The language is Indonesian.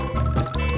sampai jumpa lagi